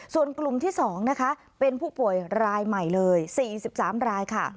ส่วนกลุ่มที่๒นะคะเป็นผู้ป่วยรายใหม่เลย๔๓รายค่ะ